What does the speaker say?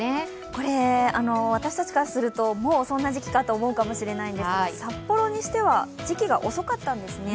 これ、私たちからすると、もうそんな時期がと思うかも知れないんですが札幌にしては、時期が遅かったんですね。